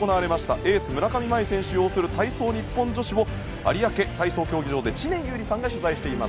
エース村上茉愛選手擁する体操日本女子を有明体操競技場で知念侑李さんが取材しています。